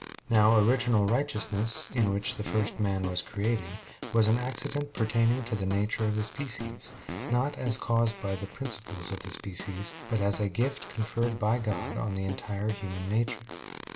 Now original righteousness, in which the first man was created, was an accident pertaining to the nature of the species, not as caused by the principles of the species, but as a gift conferred by God on the entire human nature.